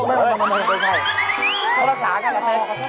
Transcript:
ไม่ไม่ใช่เขารักษากันแหละ